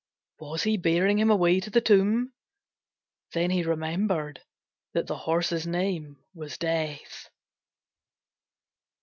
Was he bearing him away to the tomb? Then he remembered that the horse's name was Death.